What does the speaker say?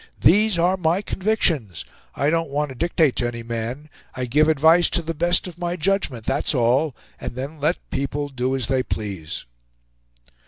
These are my convictions. I don't want to dictate to any man. I give advice to the best of my judgment, that's all; and then let people do as they please."